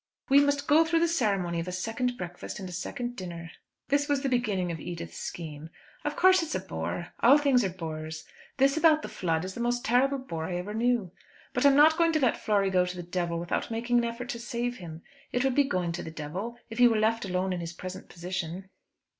"We must go through the ceremony of a second breakfast and a second dinner." This was the beginning of Edith's scheme. "Of course it's a bore; all things are bores. This about the flood is the most terrible bore I ever knew. But I'm not going to let Flory go to the devil without making an effort to save him. It would be going to the devil, if he were left alone in his present position."